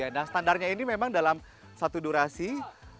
nah standarnya ini memang dalam satu durasi yang berapa